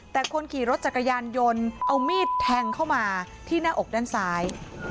แต่คนขี่รถจักรยานยนต์เอามีดแทงเข้ามาที่หน้าอกด้านซ้าย